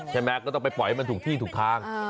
ใช่ไหมก็ต้องไปปล่อยให้มันถูกที่ถูกทาง